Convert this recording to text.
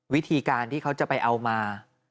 วิธีการที่เขาจะไปเอามา